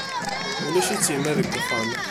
Ulac-itt yemma deg wexxam.